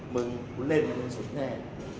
คุณเล่นมันยังสุดแน่